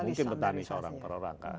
tidak mungkin bertahan seorang per orang